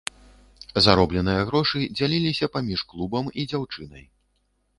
Заробленыя грошы дзяліліся паміж клубам і дзяўчынай.